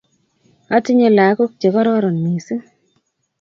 Atinye lagok che kororon missing'